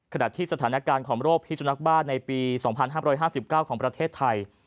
ขณะที่สถานการณ์ของโรคพิสุนักบ้าในปี๒๕๕๙ของประเทศไทย